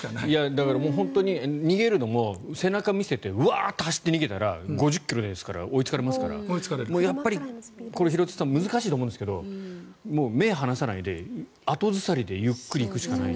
だから、逃げるのも背中を見せてワーッと走って逃げたら５０ｋｍですから追いつかれますからやっぱり、廣津留さん難しいと思うんですけど目を離さないで、後ずさりでゆっくり行くしかない。